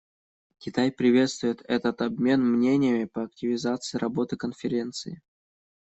Китай приветствует этот обмен мнениями по активизации работы Конференции.